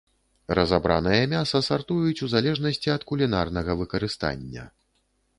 Разабранае мяса сартуюць у залежнасці ад кулінарнага выкарыстання.